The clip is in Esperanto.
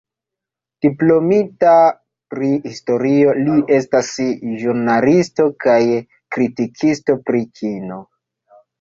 Diplomita pri historio, li estas ĵurnalisto kaj kritikisto pri kino.